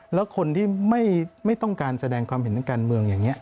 แล้วคนที่ไม่ต้องการแสดงความเห็นทางการเมืองอย่างนี้